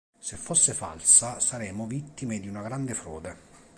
Se fosse falsa, saremmo vittime di una grande frode.